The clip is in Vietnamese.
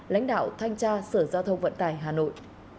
chín mươi sáu trăm ba mươi ba lãnh đạo thanh tra sở giao thông vận tải hà nội